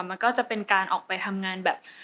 มันก็จะเป็นการออกไปทำงานแบบ